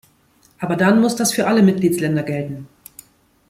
Aber dann muss das für alle Mitgliedsländer gelten.